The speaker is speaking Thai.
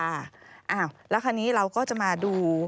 อ้าวแล้วคราวนี้เราก็จะมาดู